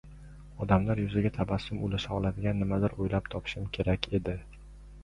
Odamlar yuziga tabassum ulasha oladigan nimadir o‘ylab topishim kerak edi.